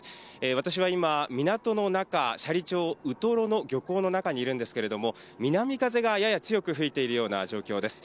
私は今、港の中、斜里町ウトロの漁港の中にいるんですけれども、南風がやや強く吹いているような状況です。